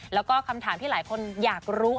แล้วก็คำถามที่หลายคนอยากรู้